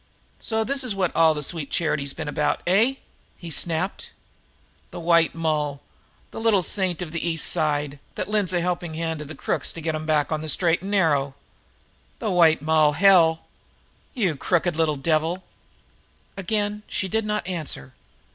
"So this is what all the sweet charity's been about, eh?" he snapped. "The White Moll, the Little Saint of the East Side, that lends a helping hand to the crooks to get 'em back on the straight and narrow again! The White Moll hell! You crooked little devil!" Again she did not answer.